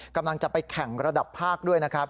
กำลังจะไปแข่งระดับภาคด้วยนะครับ